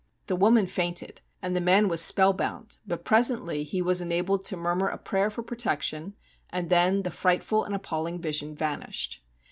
The woman fainted, and the man was spellbound, but presently he was enabled to murmur a prayer for protection, and then the frightful and appalling vision vanished.